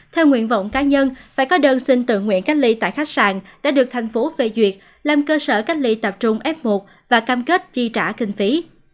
theo nguyện vọng cá nhân phải có đơn xin tự nguyện cách ly tại khách sạn đã được thành phố phê duyệt làm cơ sở cách ly tập trung f một và cam kết chi trả kinh phí